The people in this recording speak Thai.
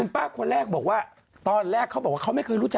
มันก็ปั่นซัดเลยก็คิดว่าเอาเด็กมันก็ขนมขึ้นขนองอ่ะ